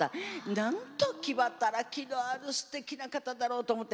なんと気働きのあるすてきな方だろうと思って。